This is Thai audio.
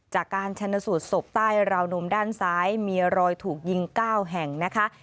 จากการชนสูตรศพใต้ราวนมด้านซ้ายมีรอยถูกยิง๙แห่งนะคะ